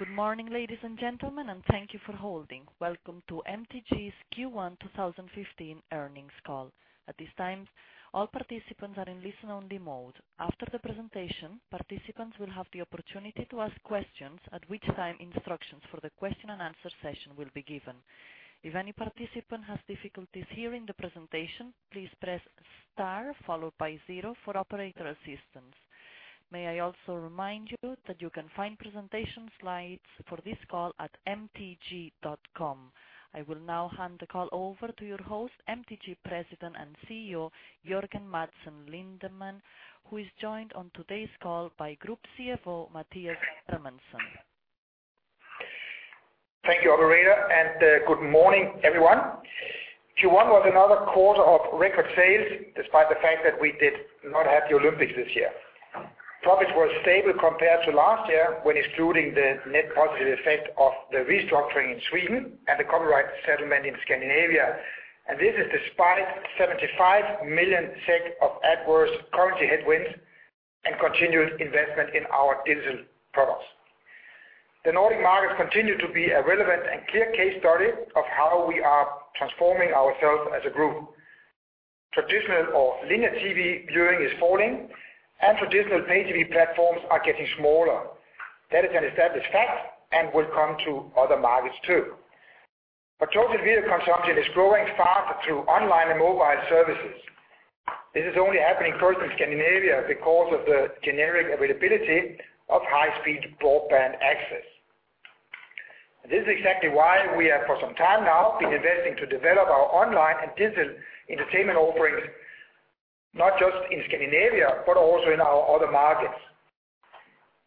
Good morning, ladies and gentlemen, and thank you for holding. Welcome to MTG's Q1 2015 earnings call. At this time, all participants are in listen-only mode. After the presentation, participants will have the opportunity to ask questions, at which time instructions for the question and answer session will be given. If any participant has difficulties hearing the presentation, please press star followed by zero for operator assistance. May I also remind you that you can find presentation slides for this call at mtg.com. I will now hand the call over to your host, MTG President and CEO, Jørgen Madsen Lindemann, who is joined on today's call by Group CFO, Mathias Hermansson. Thank you, operator, and good morning, everyone. Q1 was another quarter of record sales, despite the fact that we did not have the Olympics this year. Profits were stable compared to last year, when excluding the net positive effect of the restructuring in Sweden and the copyright settlement in Scandinavia. This is despite 75 million SEK of adverse currency headwinds and continued investment in our digital products. The Nordic markets continue to be a relevant and clear case study of how we are transforming ourselves as a group. Traditional or linear TV viewing is falling and traditional pay TV platforms are getting smaller. That is an established fact and will come to other markets, too. Total video consumption is growing faster through online and mobile services. This is only happening first in Scandinavia because of the generic availability of high-speed broadband access. This is exactly why we have, for some time now, been investing to develop our online and digital entertainment offerings, not just in Scandinavia, but also in our other markets.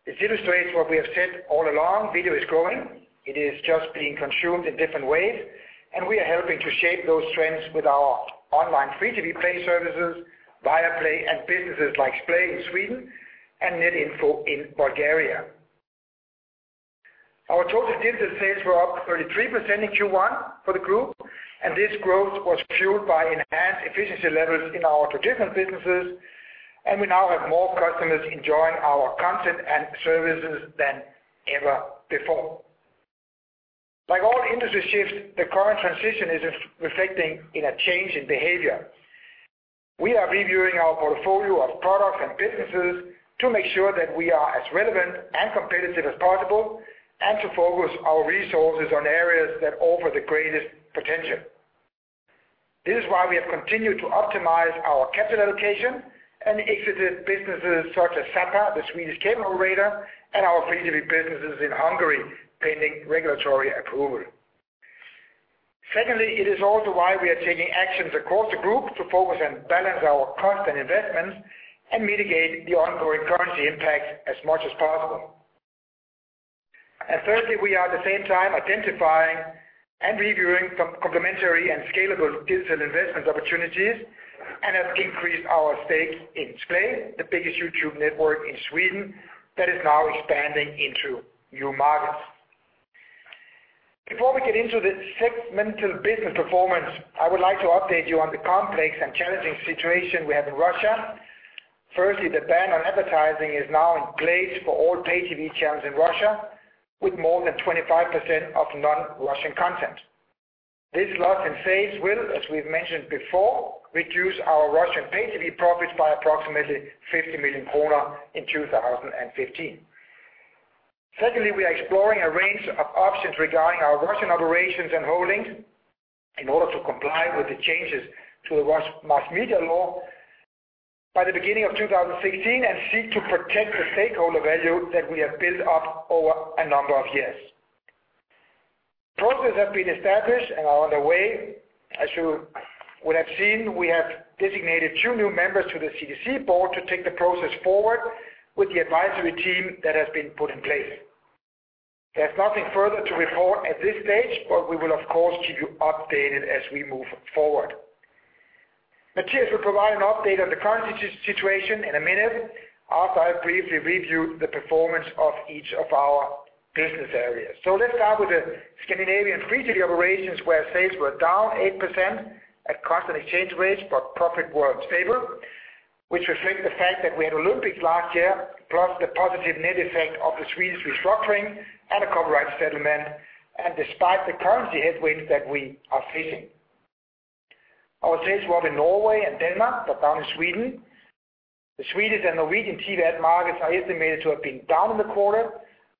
This illustrates what we have said all along, video is growing. It is just being consumed in different ways, and we are helping to shape those trends with our online free TV play services, Viaplay, and businesses like Splay in Sweden and NetInfo in Bulgaria. Our total digital sales were up 33% in Q1 for the group, and this growth was fueled by enhanced efficiency levels in our traditional businesses, and we now have more customers enjoying our content and services than ever before. Like all industry shifts, the current transition is reflecting in a change in behavior. We are reviewing our portfolio of products and businesses to make sure that we are as relevant and competitive as possible, and to focus our resources on areas that offer the greatest potential. This is why we have continued to optimize our capital allocation and exited businesses such as Sappa, the Swedish cable operator, and our free TV businesses in Hungary, pending regulatory approval. Secondly, it is also why we are taking actions across the group to focus and balance our cost and investments and mitigate the ongoing currency impact as much as possible. Thirdly, we are at the same time identifying and reviewing some complementary and scalable digital investment opportunities and have increased our stake in Splay, the biggest YouTube network in Sweden that is now expanding into new markets. Before we get into the segmental business performance, I would like to update you on the complex and challenging situation we have in Russia. Firstly, the ban on advertising is now in place for all pay TV channels in Russia with more than 25% of non-Russian content. This loss in sales will, as we've mentioned before, reduce our Russian pay TV profits by approximately 50 million kronor in 2015. Secondly, we are exploring a range of options regarding our Russian operations and holdings in order to comply with the changes to the Russian Mass Media Law by the beginning of 2016 and seek to protect the stakeholder value that we have built up over a number of years. Processes have been established and are underway. As you would have seen, we have designated two new members to the CTC board to take the process forward with the advisory team that has been put in place. We will of course, keep you updated as we move forward. Mathias will provide an update of the current situation in a minute after I briefly review the performance of each of our business areas. Let's start with the Scandinavian free TV operations, where sales were down 8% at constant exchange rates, but profit was stable, which reflects the fact that we had Olympics last year, plus the positive net effect of the Swedish restructuring and a copyright settlement, and despite the currency headwinds that we are facing. Our sales were up in Norway and Denmark, but down in Sweden. The Swedish and Norwegian TV ad markets are estimated to have been down in the quarter,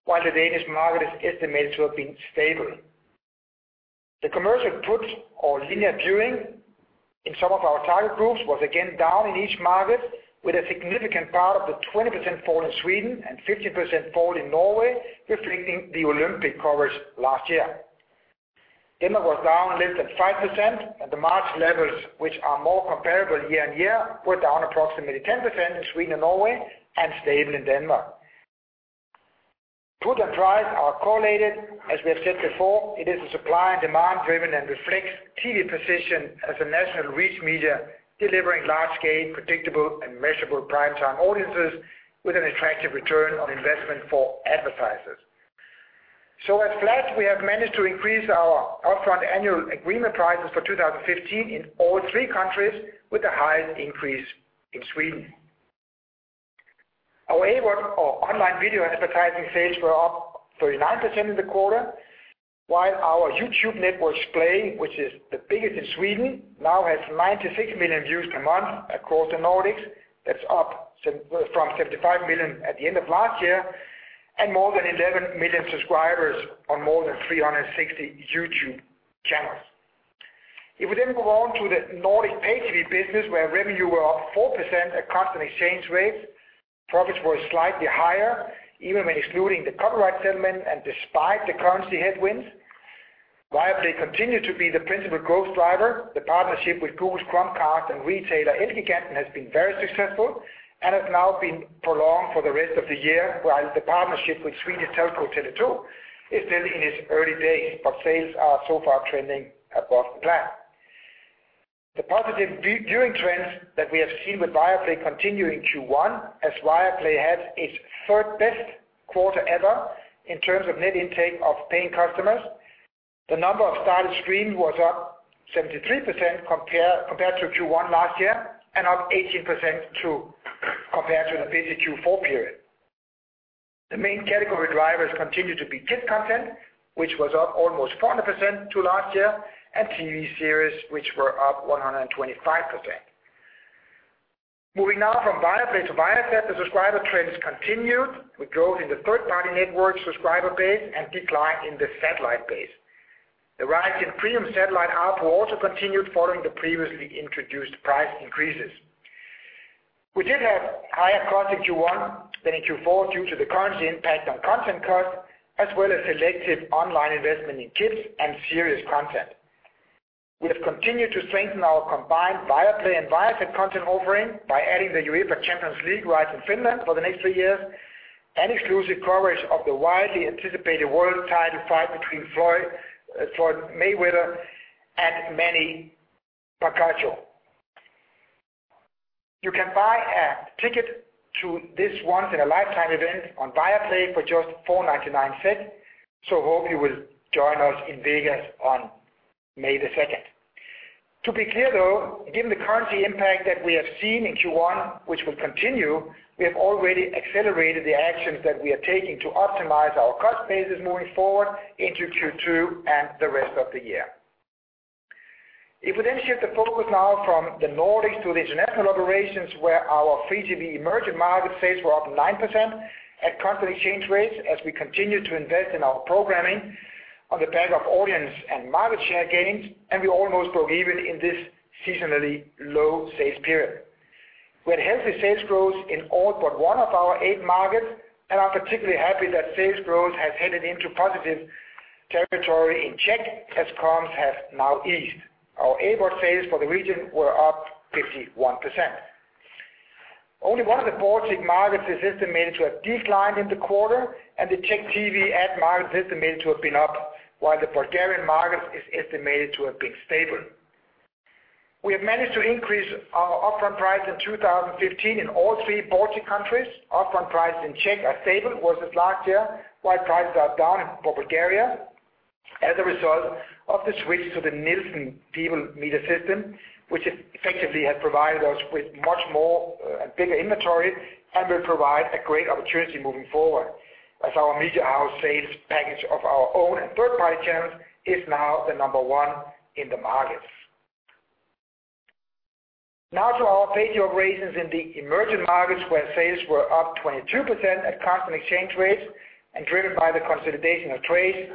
while the Danish market is estimated to have been stable. The commercial put or linear viewing in some of our target groups was again down in each market with a significant part of the 20% fall in Sweden and 15% fall in Norway, reflecting the Olympic coverage last year. Denmark was down less than 5% and the March levels, which are more comparable year-on-year, were down approximately 10% in Sweden and Norway and stable in Denmark. Put and price are correlated, as we have said before. It is supply and demand driven and reflects TV position as a national reach media, delivering large scale, predictable, and measurable prime time audiences with an attractive return on investment for advertisers. At flat, we have managed to increase our upfront annual agreement prices for 2015 in all three countries with the highest increase in Sweden. Our AVOD or online video advertising sales were up 39% in the quarter, while our YouTube network, Splay, which is the biggest in Sweden, now has 96 million views per month across the Nordics. That's up from 75 million at the end of last year, and more than 11 million subscribers on more than 360 YouTube channels. If we then go on to the Nordic pay-TV business where revenue were up 4% at constant exchange rates, profits were slightly higher even when excluding the copyright settlement and despite the currency headwinds. Viaplay continued to be the principal growth driver. The partnership with Google's Chromecast and retailer Elkjøp has been very successful and has now been prolonged for the rest of the year, while the partnership with Swedish telco Tele2 is still in its early days, but sales are so far trending above plan. The positive viewing trends that we have seen with Viaplay continue in Q1, as Viaplay had its third-best quarter ever in terms of net intake of paying customers. The number of started streams was up 73% compared to Q1 last year and up 18% compared to the busy Q4 period. The main category drivers continue to be kids content, which was up almost 400% to last year, and TV series, which were up 125%. Moving now from Viaplay to Viasat, the subscriber trends continued with growth in the third-party network subscriber base and decline in the satellite base. The rise in premium satellite ARPU also continued following the previously introduced price increases. We did have higher costs in Q1 than in Q4 due to the currency impact on content costs as well as selective online investment in kids and series content. We have continued to strengthen our combined Viaplay and Viasat content offering by adding the UEFA Champions League rights in Finland for the next three years and exclusive coverage of the widely anticipated world title fight between Floyd Mayweather and Manny Pacquiao. You can buy a ticket to this once-in-a-lifetime event on Viaplay for just $4.99. Hope you will join us in Vegas on May 2nd. To be clear, though, given the currency impact that we have seen in Q1, which will continue, we have already accelerated the actions that we are taking to optimize our cost bases moving forward into Q2 and the rest of the year. If we shift the focus now from the Nordics to the international operations, where our free-to-view emerging market sales were up 9% at constant exchange rates as we continue to invest in our programming on the back of audience and market share gains. We almost broke even in this seasonally low sales period. We had healthy sales growth in all but one of our eight markets and are particularly happy that sales growth has headed into positive territory in Czech as comps have now eased. Our AVOD sales for the region were up 51%. Only one of the Baltic markets is estimated to have declined in the quarter. The Czech TV ad market is estimated to have been up, while the Bulgarian market is estimated to have been stable. We have managed to increase our upfront price in 2015 in all three Baltic countries. Upfront prices in Czech are stable versus last year, while prices are down for Bulgaria as a result of the switch to the Nielsen People Meter system, which effectively has provided us with much more and bigger inventory and will provide a great opportunity moving forward as our media sales package of our own and third-party channels is now the number one in the markets. Now to our pay-TV operations in the emerging markets, where sales were up 22% at constant exchange rates and driven by the consolidation of Trace.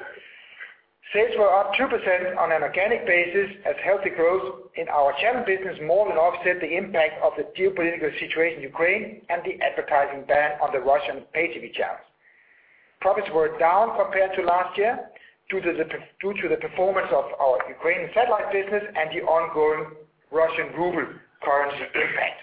Sales were up 2% on an organic basis as healthy growth in our channel business more than offset the impact of the geopolitical situation in Ukraine and the advertising ban on the Russian pay-TV channels. Profits were down compared to last year due to the performance of our Ukrainian satellite business and the ongoing Russian ruble currency impact.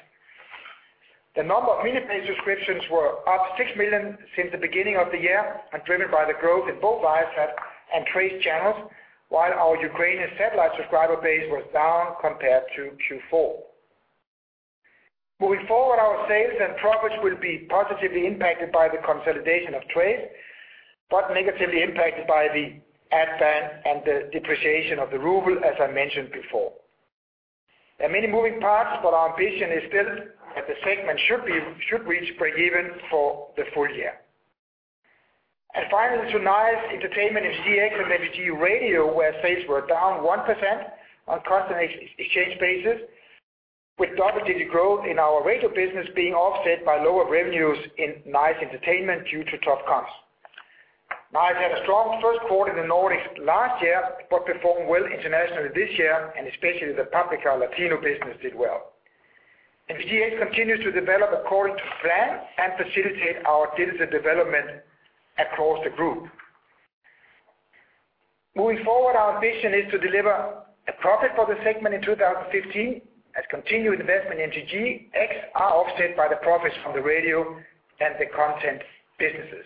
The number of mini-pay subscriptions were up 6 million since the beginning of the year and driven by the growth in both Viasat and Trace channels, while our Ukrainian satellite subscriber base was down compared to Q4. Moving forward, our sales and profits will be positively impacted by the consolidation of Trace, but negatively impacted by the ad ban and the depreciation of the ruble, as I mentioned before. There are many moving parts, but our ambition is still that the segment should reach break even for the full year. Finally, to Nice Entertainment and [CH] and MTG Radio, where sales were down 1% on constant exchange basis with double-digit growth in our radio business being offset by lower revenues in Nice Entertainment due to tough comps. Nice had a strong first quarter in the Nordics last year, but performed well internationally this year, and especially the Paprika Latino business did well. MTG continues to develop according to plan and facilitate our digital development across the group. Moving forward, our ambition is to deliver a profit for the segment in 2015 as continued investment in MTGx are offset by the profits from the radio and the content businesses.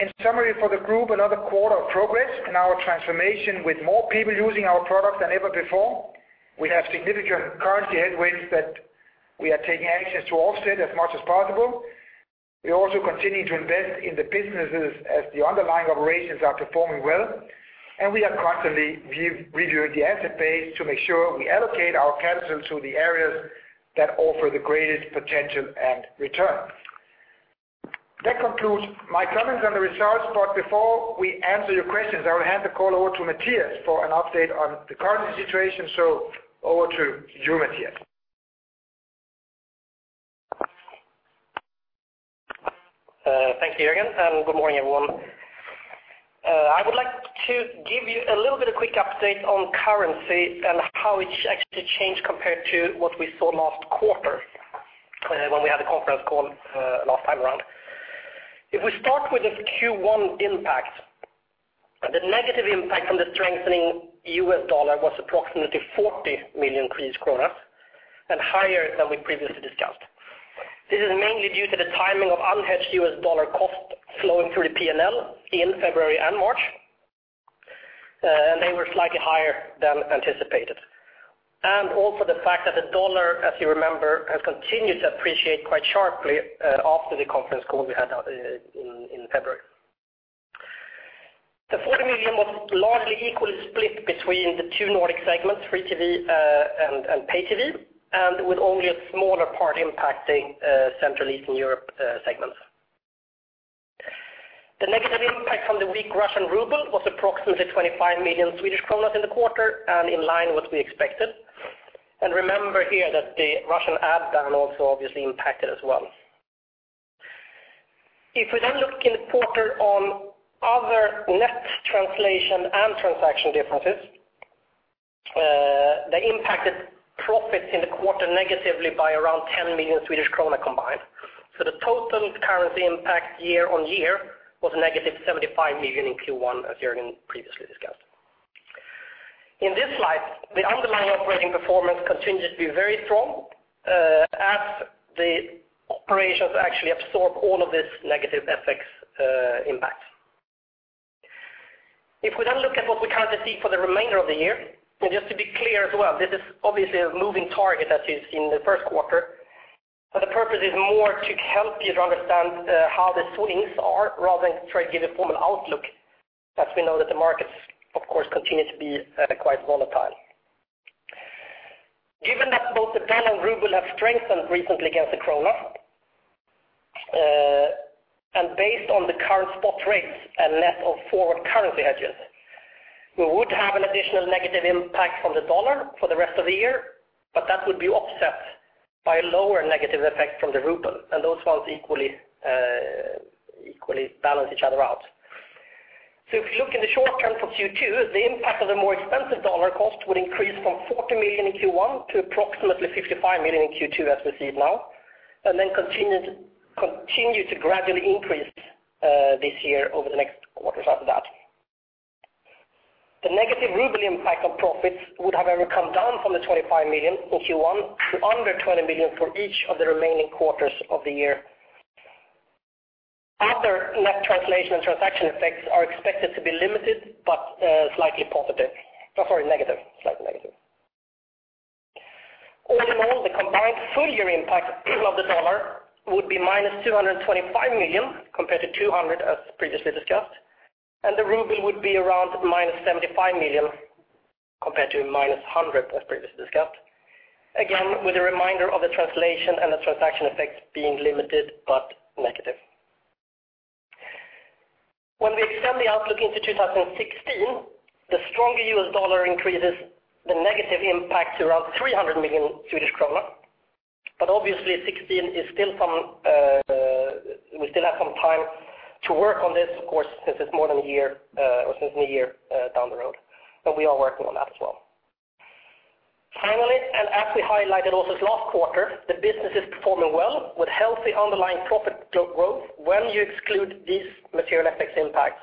In summary for the group, another quarter of progress in our transformation with more people using our products than ever before. We have significant currency headwinds that we are taking actions to offset as much as possible. We also continue to invest in the businesses as the underlying operations are performing well, and we are constantly reviewing the asset base to make sure we allocate our capital to the areas that offer the greatest potential and return. That concludes my comments on the results. Before we answer your questions, I will hand the call over to Mathias for an update on the currency situation. Over to you, Mathias. Thank you, Jørgen, good morning, everyone. I would like to give you a little bit of quick update on currency and how it's actually changed compared to what we saw last quarter when we had the conference call last time around. If we start with the Q1 impact, the negative impact from the strengthening US dollar was approximately 40 million kronor and higher than we previously discussed. This is mainly due to the timing of unhedged US dollar cost flowing through the P&L in February and March. They were slightly higher than anticipated. Also the fact that the dollar, as you remember, has continued to appreciate quite sharply after the conference call we had in February. The 40 million was largely equally split between the two Nordic segments, free TV and pay TV, and with only a smaller part impacting Central Eastern Europe segments. The negative impact from the weak Russian ruble was approximately 25 million Swedish kronor in the quarter and in line with we expected. Remember here that the Russian ad ban also obviously impacted as well. If we then look in the quarter on other net translation and transaction differences, they impacted profits in the quarter negatively by around 10 million Swedish krona combined. The total currency impact year-over-year was negative 75 million in Q1, as Jørgen previously discussed. In this slide, the underlying operating performance continues to be very strong as the operations actually absorb all of this negative FX impact. If we then look at what we currently see for the remainder of the year, and just to be clear as well, this is obviously a moving target, as is in the first quarter. The purpose is more to help you to understand how the swings are rather than try to give a formal outlook, as we know that the markets, of course, continue to be quite volatile. Given that both the dollar and ruble have strengthened recently against the SEK, and based on the current spot rates and net of forward currency hedges, we would have an additional negative impact from the dollar for the rest of the year, but that would be offset by a lower negative effect from the ruble, and those ones equally balance each other out. If you look in the short term for Q2, the impact of the more expensive dollar cost would increase from 40 million in Q1 to approximately 55 million in Q2 as we see it now, and then continue to gradually increase this year over the next quarters after that. The negative ruble impact on profits would have even come down from the 25 million in Q1 to under 20 million for each of the remaining quarters of the year. Other net translation and transaction effects are expected to be limited but slightly negative. All in all, the combined full year impact of the dollar would be minus 225 million compared to 200 million as previously discussed, and the ruble would be around minus 75 million compared to minus 100 million as previously discussed. Again, with a reminder of the translation and the transaction effects being limited but negative. When we extend the outlook into 2016, the stronger U.S. dollar increases the negative impact to around 300 million Swedish kronor. Obviously, 2016, we still have some time to work on this, of course, since it's more than a year or since a year down the road. We are working on that as well. Finally, as we highlighted also last quarter, the business is performing well with healthy underlying profit growth when you exclude these material FX impacts.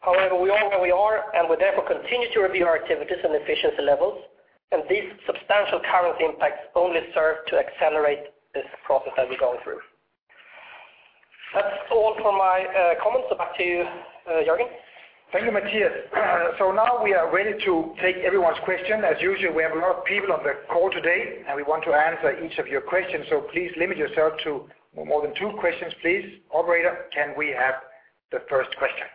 However, we are where we are, and we therefore continue to review our activities and efficiency levels, and these substantial currency impacts only serve to accelerate this process that we're going through. That's all for my comments. Back to you, Jørgen. Thank you, Mathias. Now we are ready to take everyone's question. As usual, we have a lot of people on the call today, we want to answer each of your questions, please limit yourself to no more than two questions, please. Operator, can we have the first question?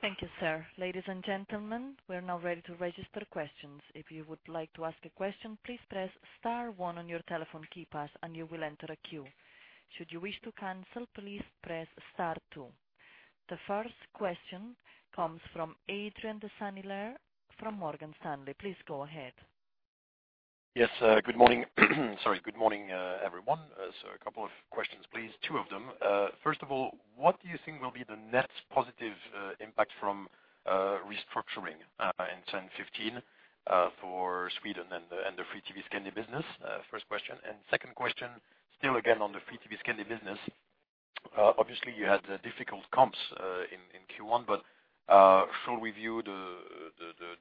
Thank you, sir. Ladies and gentlemen, we are now ready to register questions. If you would like to ask a question, please press star one on your telephone keypad, you will enter a queue. Should you wish to cancel, please press star two. The first question comes from [Adrien de Saniler] from Morgan Stanley. Please go ahead. Yes, good morning. Sorry. Good morning, everyone. A couple of questions, please. Two of them. First of all, what do you think will be the net positive impact from restructuring in 2015 for Sweden and the free TV Scandi business? First question. Second question, still again on the free TV Scandi business. Obviously, you had difficult comps in Q1, shall we view the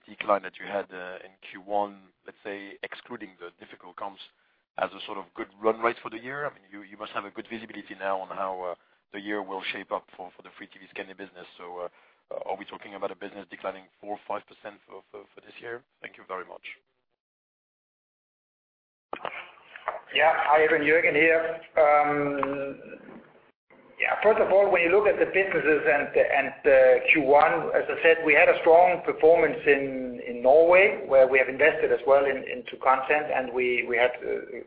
decline that you had in Q1, let's say, excluding the difficult comps as a sort of good run rate for the year? You must have a good visibility now on how the year will shape up for the free TV Scandi business. Are we talking about a business declining 4%, 5% for this year? Thank you very much. Hi, everyone. Jørgen here. First of all, when you look at the businesses Q1, as I said, we had a strong performance in Norway, where we have invested as well into content, we had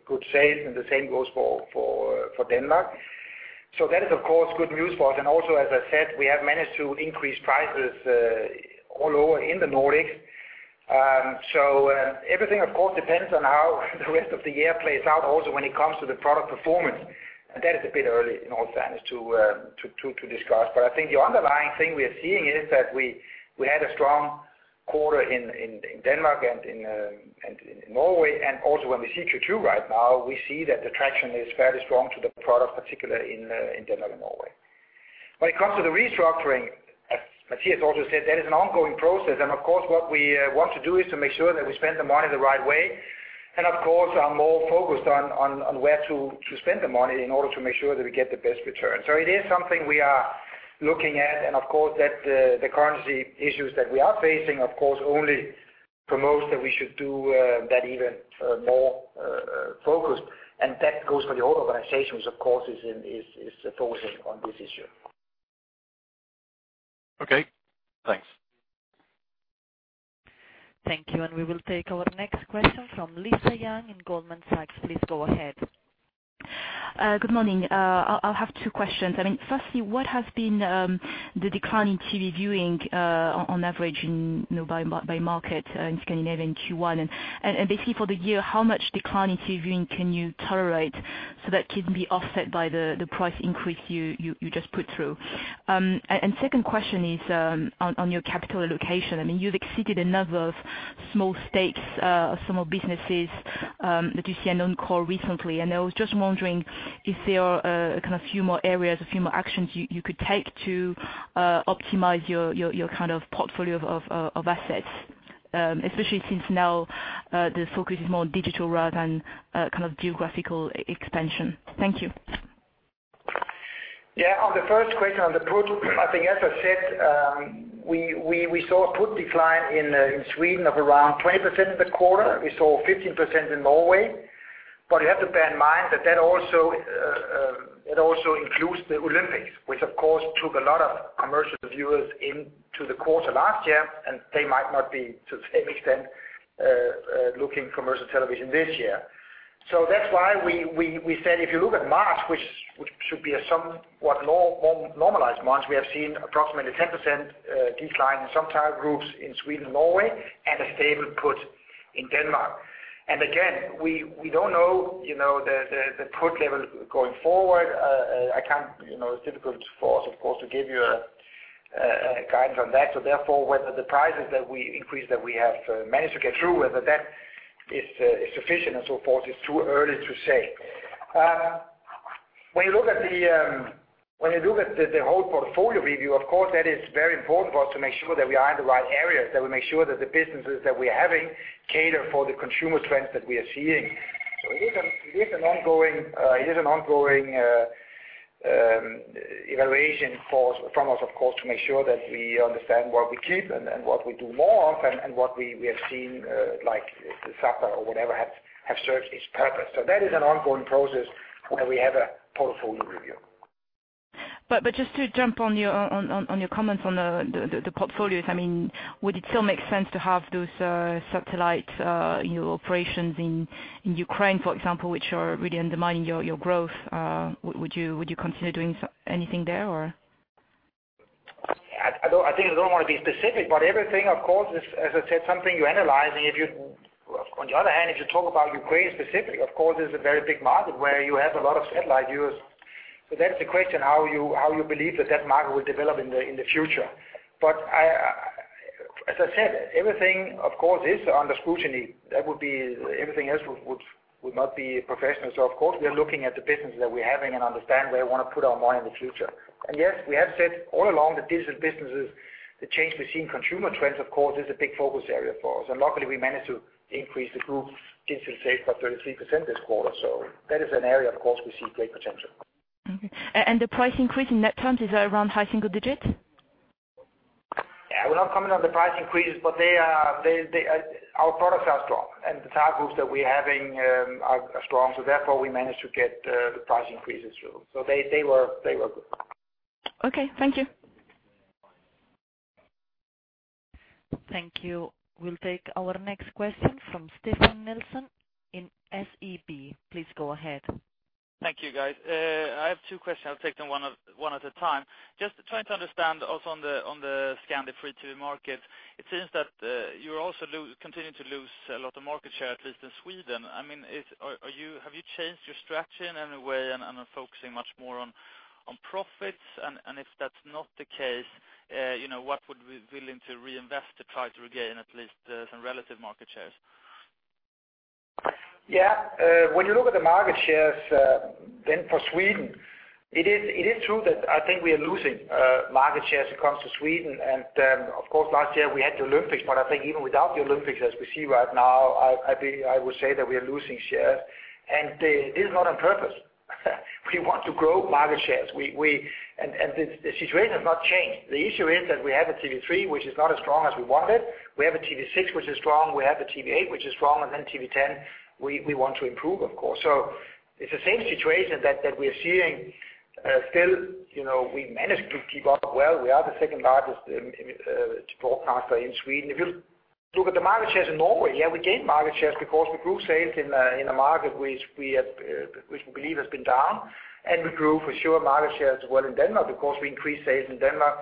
good sales, the same goes for Denmark. That is, of course, good news for us. Also, as I said, we have managed to increase prices all over in the Nordics. Everything, of course, depends on how the rest of the year plays out also when it comes to the product performance. That is a bit early in all fairness to discuss. I think the underlying thing we're seeing is that we had a strong quarter in Denmark and in Norway, also when we see Q2 right now, we see that the traction is fairly strong to the product, particularly in Denmark and Norway. When it comes to the restructuring, as Mathias also said, that is an ongoing process. Of course, what we want to do is to make sure that we spend the money the right way, and of course, are more focused on where to spend the money in order to make sure that we get the best return. It is something we are looking at, and of course, the currency issues that we are facing, of course, only promotes that we should do that even more focused. That goes for the whole organization, which, of course, is focusing on this issue. Okay, thanks. Thank you. We will take our next question from Lisa Yang in Goldman Sachs. Please go ahead. Good morning. I will have two questions. Firstly, what has been the decline in TV viewing on average by market in Scandinavia in Q1? Basically, for the year, how much decline in TV viewing can you tolerate so that can be offset by the price increase you just put through? Second question is on your capital allocation. You have exited a number of small stakes of some more businesses that you see are non-core recently. I was just wondering if there are kind of a few more areas, a few more actions you could take to optimize your kind of portfolio of assets, especially since now the focus is more on digital rather than geographical expansion. Thank you. On the first question on the put, I think as I said, we saw a put decline in Sweden of around 20% in the quarter. We saw 15% in Norway. You have to bear in mind that also includes the Olympics, which of course, took a lot of commercial viewers into the quarter last year, and they might not be to the same extent looking commercial television this year. That's why we said if you look at March, which should be a somewhat more normalized March, we have seen approximately 10% decline in some target groups in Sweden and Norway, and a stable put in Denmark. Again, we don't know the put level going forward. It's difficult for us, of course, to give you a guidance on that. Therefore, whether the prices that we increased, that we have managed to get through, whether that is sufficient and so forth, it's too early to say. When you look at the whole portfolio review, of course, that is very important for us to make sure that we are in the right areas, that we make sure that the businesses that we're having cater for the consumer trends that we are seeing. It is an ongoing evaluation from us, of course, to make sure that we understand what we keep and what we do more of and what we are seeing, like the Sappa or whatever have served its purpose. That is an ongoing process where we have a portfolio review. Just to jump on your comments on the portfolios. Would it still make sense to have those satellite operations in Ukraine, for example, which are really undermining your growth? Would you consider doing anything there or? I think I don't want to be specific, but everything, of course, is, as I said, something you analyze. On the other hand, if you talk about Ukraine specifically, of course, it's a very big market where you have a lot of satellite viewers. That's the question, how you believe that that market will develop in the future. As I said, everything, of course, is under scrutiny. Everything else would not be professional. Of course, we are looking at the business that we're having and understand where we want to put our money in the future. Yes, we have said all along the digital businesses, the change we see in consumer trends, of course, is a big focus area for us. Luckily, we managed to increase the group's digital sales by 33% this quarter. That is an area, of course, we see great potential. Okay. The price increase in net terms is around high single digits? Yeah, we're not commenting on the price increases, but our products are strong, and the target groups that we're having are strong, so therefore we managed to get the price increases through. They were good. Okay. Thank you. Thank you. We'll take our next question from Stefan Nelson in SEB. Please go ahead. Thank you, guys. I have two questions. I'll take them one at a time. Just trying to understand also on the Scandi free TV market, it seems that you're also continuing to lose a lot of market share, at least in Sweden. Have you changed your strategy in any way and are focusing much more on profits? If that's not the case, what would be willing to reinvest to try to regain at least some relative market shares? Yeah. When you look at the market shares then for Sweden, it is true that I think we are losing market shares when it comes to Sweden. Of course, last year we had the Olympics, but I think even without the Olympics, as we see right now, I would say that we are losing shares, and it is not on purpose. We want to grow market shares. The situation has not changed. The issue is that we have a TV3, which is not as strong as we want it. We have a TV6, which is strong. We have a TV8, which is strong. TV10, we want to improve, of course. It's the same situation that we're seeing still. We managed to keep up well. We are the second largest broadcaster in Sweden. If you look at the market shares in Norway, yeah, we gained market shares because we grew sales in a market which we believe has been down, and we grew for sure market shares well in Denmark because we increased sales in Denmark,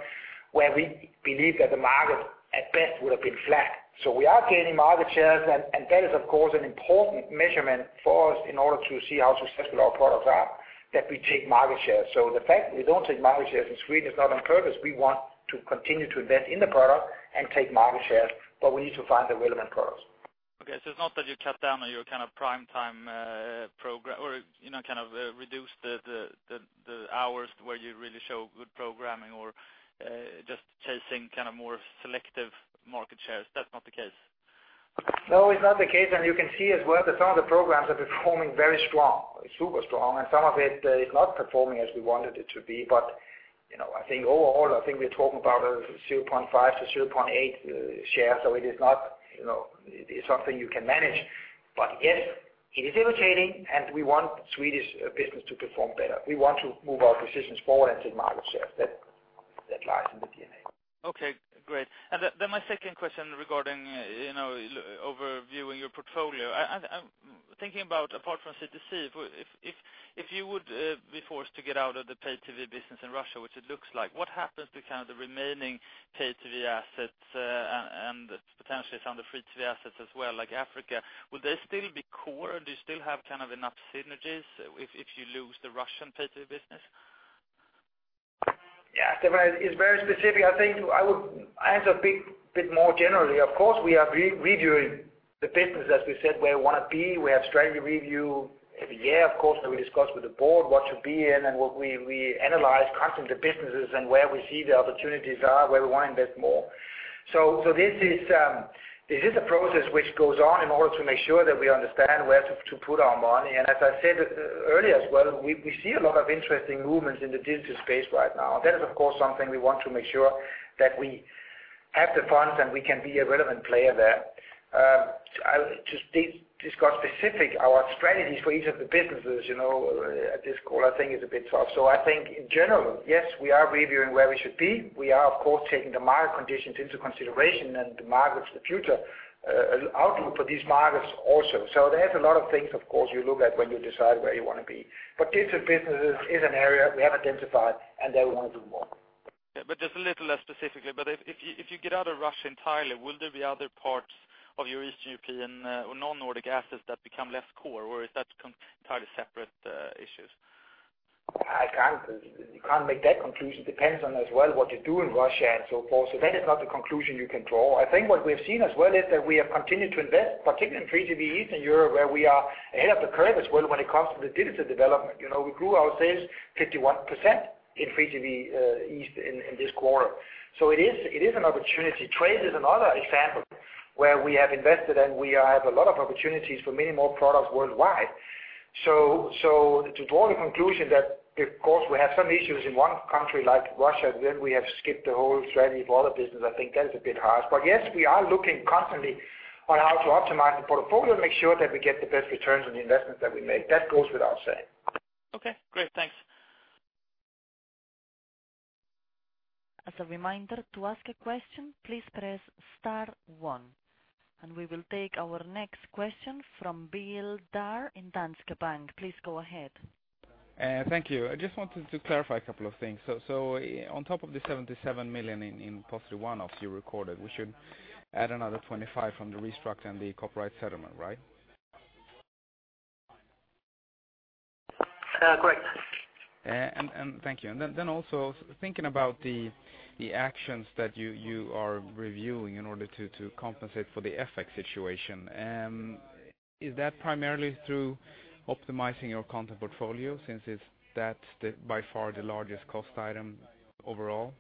where we believe that the market at best would have been flat. We are gaining market shares, and that is of course an important measurement for us in order to see how successful our products are, that we take market shares. The fact that we don't take market shares in Sweden is not on purpose. We want to continue to invest in the product and take market shares, but we need to find the relevant products. Okay, it's not that you cut down on your prime time program or kind of reduce the hours where you really show good programming or just chasing kind of more selective market shares. That's not the case? No, it's not the case. You can see as well that some of the programs are performing very strong, super strong, and some of it is not performing as we wanted it to be. I think overall, I think we're talking about a 0.5%-0.8% share, so it is something you can manage. Yes, it is irritating, and we want Swedish business to perform better. We want to move our positions forward and take market shares. That lies in the DNA. Okay, great. My second question regarding overviewing your portfolio. I'm thinking about, apart from CTC, if you would be forced to get out of the pay-TV business in Russia, which it looks like, what happens to kind of the remaining pay-TV assets and potentially some of the free-to-air assets as well, like Africa? Would they still be core? Do you still have kind of enough synergies if you lose the Russian pay-TV business? Yeah, it's very specific. I think I would answer a bit more generally. Of course, we are reviewing the business, as we said, where we want to be. We have strategy review every year, of course, that we discuss with the board what to be in and we analyze constantly the businesses and where we see the opportunities are, where we want to invest more. This is a process which goes on in order to make sure that we understand where to put our money. As I said earlier as well, we see a lot of interesting movements in the digital space right now. That is, of course, something we want to make sure that we have the funds and we can be a relevant player there. To discuss specific, our strategies for each of the businesses at this call, I think is a bit tough. I think in general, yes, we are reviewing where we should be. We are, of course, taking the market conditions into consideration and the markets of the future, outlook for these markets also. There's a lot of things, of course, you look at when you decide where you want to be. Digital businesses is an area we have identified, and there we want to do more. Yeah, just a little less specifically, but if you get out of Russia entirely, will there be other parts of your Eastern European or non-Nordic assets that become less core, or is that entirely separate issues? You can't make that conclusion. Depends on as well what you do in Russia and so forth. That is not the conclusion you can draw. I think what we have seen as well is that we have continued to invest, particularly in free-to-view Eastern Europe, where we are ahead of the curve as well when it comes to the digital development. We grew our sales 51% in free-to-view East in this quarter. It is an opportunity. Trace is another example where we have invested, and we have a lot of opportunities for many more products worldwide. To draw the conclusion that, of course, we have some issues in one country like Russia, then we have skipped the whole strategy for other business, I think that is a bit harsh. Yes, we are looking constantly on how to optimize the portfolio to make sure that we get the best returns on the investments that we make. That goes without saying. Okay, great. Thanks. As a reminder, to ask a question, please press star one. We will take our next question from Bilal Aziz in Danske Bank. Please go ahead. Thank you. I just wanted to clarify a couple of things. On top of the 77 million in positive one-offs you recorded, we should add another 25 from the restructuring and the copyright settlement, right? Correct. Thank you. Also thinking about the actions that you are reviewing in order to compensate for the FX situation, is that primarily through optimizing your content portfolio since that's by far the largest cost item overall?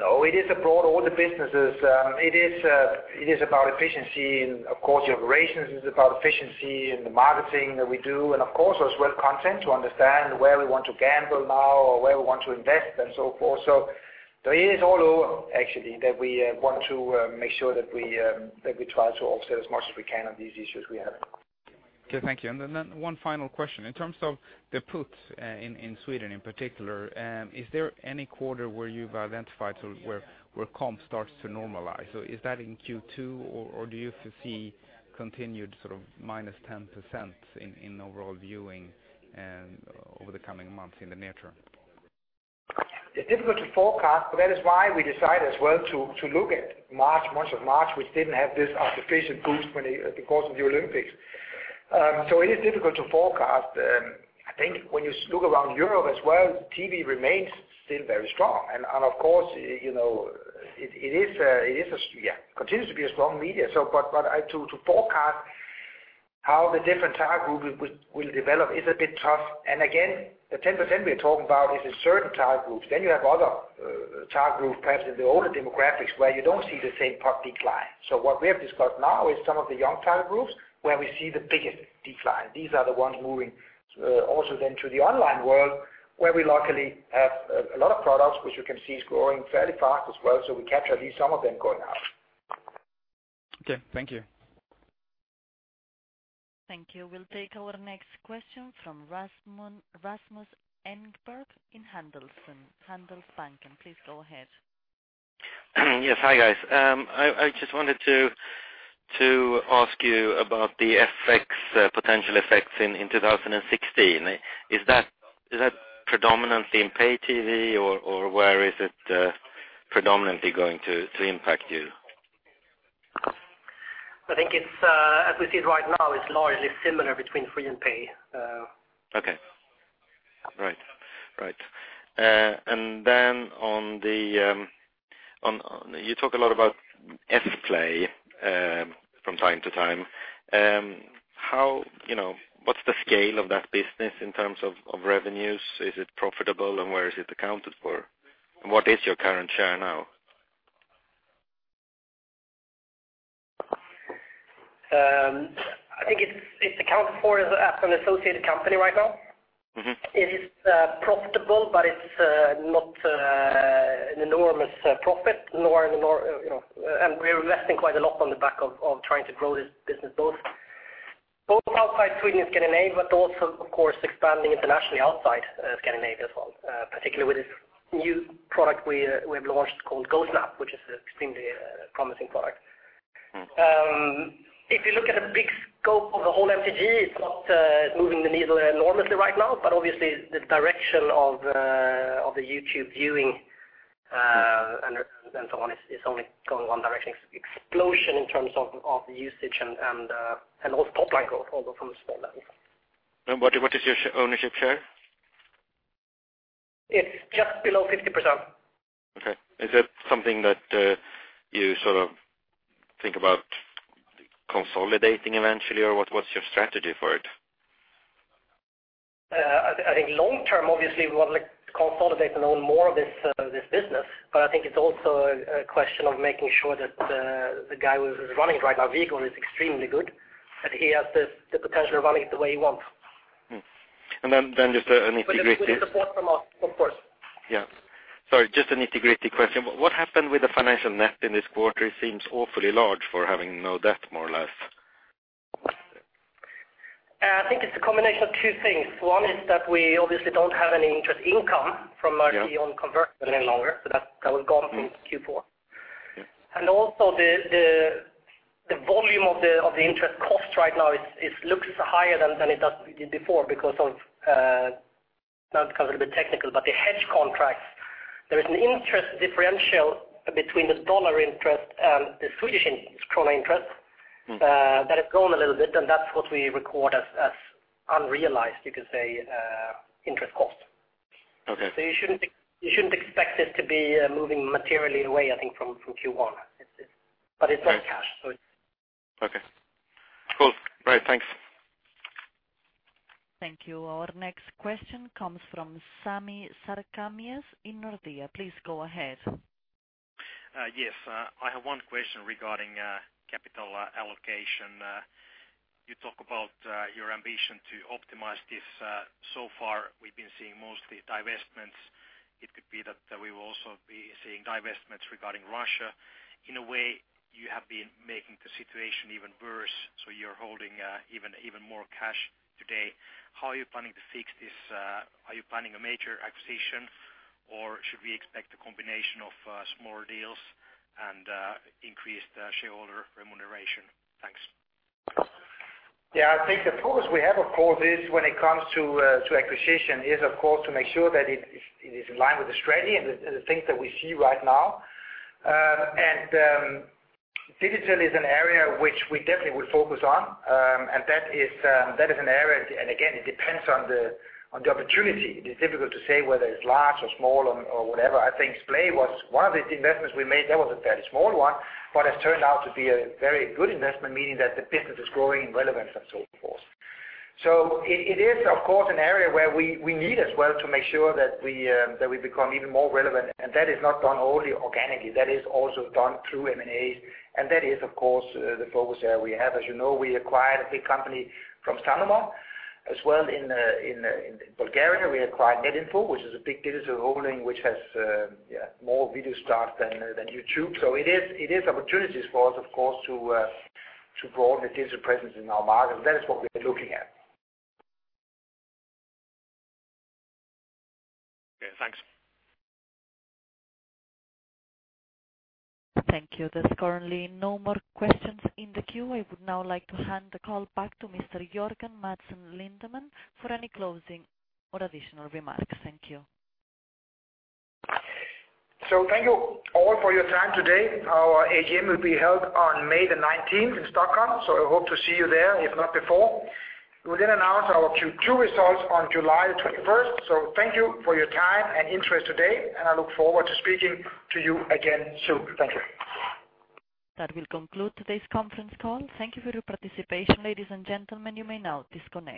No, it is abroad, all the businesses. It is about efficiency and of course your operations is about efficiency and the marketing that we do and of course as well content to understand where we want to gamble now or where we want to invest and so forth. It is all over actually that we want to make sure that we try to offset as much as we can on these issues we have. Okay, thank you. One final question. In terms of the puts in Sweden in particular, is there any quarter where you've identified where comp starts to normalize? Is that in Q2 or do you foresee continued sort of minus 10% in overall viewing over the coming months in the near term? It's difficult to forecast, but that is why we decide as well to look at March, month of March, which didn't have this artificial boost because of the Olympics. It is difficult to forecast. I think when you look around Europe as well, TV remains still very strong. Of course, it continues to be a strong media. To forecast how the different target group will develop is a bit tough. Again, the 10% we're talking about is in certain target groups. You have other target group, perhaps in the older demographics, where you don't see the same pace decline. What we have discussed now is some of the young target groups where we see the biggest decline. These are the ones moving also then to the online world, where we luckily have a lot of products, which you can see is growing fairly fast as well, so we capture at least some of them going out. Okay. Thank you. Thank you. We'll take our next question from Rasmus Engberg in Handelsbanken. Please go ahead. Yes. Hi, guys. I just wanted to ask you about the potential effects in 2016. Is that predominantly in pay TV or where is it predominantly going to impact you? I think as we see it right now, it's largely similar between free and pay. Okay. Right. Then, you talk a lot about Splay from time to time. What's the scale of that business in terms of revenues? Is it profitable and where is it accounted for? What is your current share now? I think it's accounted for as an associated company right now. It is profitable, but it's not an enormous profit. We're investing quite a lot on the back of trying to grow this business both outside Sweden and Scandinavia, but also, of course, expanding internationally outside Scandinavia as well. Particularly with this new product we've launched called GoSnap, which is an extremely promising product. If you look at a big scope of the whole MTG, it's not moving the needle enormously right now, but obviously the direction of the YouTube viewing and so on, is only going one direction. Explosion in terms of the usage and also top line growth, although from a small level. What is your ownership share? It's just below 50%. Okay. Is that something that you sort of think about consolidating eventually or what's your strategy for it? I think long term, obviously, we want to consolidate and own more of this business. I think it's also a question of making sure that the guy who is running it right now, Vigor, is extremely good, that he has the potential of running it the way he wants. Just a nitty-gritty- He has good support from us, of course. Sorry, just a nitty-gritty question. What happened with the financial net in this quarter? It seems awfully large for having no debt, more or less. I think it's a combination of two things. One is that we obviously don't have any interest income from our E.ON convertible any longer. That was gone from Q4. Yes. The volume of the interest cost right now, it looks higher than it does before because of, now it becomes a little bit technical, but the hedge contracts. There is an interest differential between the U.S. dollar interest and the Swedish krona interest that has grown a little bit, and that's what we record as unrealized, you could say, interest cost. Okay. You shouldn't expect it to be moving materially away, I think, from Q1. It's not cash. Okay. Cool. Right. Thanks. Thank you. Our next question comes from Sami Sarkamies in Nordea. Please go ahead. Yes. I have one question regarding capital allocation. You talk about your ambition to optimize this. Far, we've been seeing mostly divestments. It could be that we will also be seeing divestments regarding Russia. In a way, you have been making the situation even worse, so you're holding even more cash today. How are you planning to fix this? Are you planning a major acquisition or should we expect a combination of smaller deals and increased shareholder remuneration? Thanks. I think the focus we have, of course, when it comes to acquisition is, of course, to make sure that it is in line with the strategy and the things that we see right now. Digital is an area which we definitely will focus on. That is an area, and again, it depends on the opportunity. It is difficult to say whether it's large or small or whatever. I think Splay was one of the investments we made. That was a fairly small one, but has turned out to be a very good investment, meaning that the business is growing in relevance and so forth. It is, of course, an area where we need as well to make sure that we become even more relevant, and that is not done only organically. That is also done through M&As, and that is, of course, the focus area we have. As you know, we acquired a big company from Sanoma. As well in Bulgaria, we acquired NetInfo, which is a big digital holding, which has more video starts than YouTube. It is opportunities for us, of course, to grow the digital presence in our market, and that is what we are looking at. Okay, thanks. Thank you. There's currently no more questions in the queue. I would now like to hand the call back to Mr. Jørgen Madsen Lindemann for any closing or additional remarks. Thank you. Thank you all for your time today. Our AGM will be held on May the 19th in Stockholm, so I hope to see you there, if not before. We will then announce our Q2 results on July the 21st. Thank you for your time and interest today, and I look forward to speaking to you again soon. Thank you. That will conclude today's conference call. Thank you for your participation, ladies and gentlemen. You may now disconnect.